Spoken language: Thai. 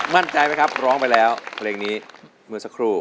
มั่นใจไหมครับร้องไปแล้วเพลงนี้เมื่อสักครู่